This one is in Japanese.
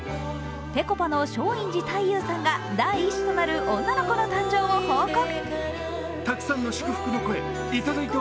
ぺこぱの松陰寺太勇さんが第１子となる女の子の誕生を報告。